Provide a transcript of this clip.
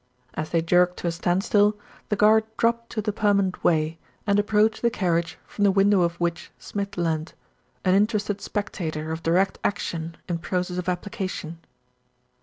As they jerked to a standstill, the guard dropped to the permanent way, and approached the carriage from the window of which Smith leaned, an interested spectator of Direct Action in process of application.